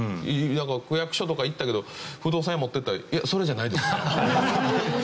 区役所とか行ったけど不動産屋持っていったら「いやそれじゃないです」みたいな。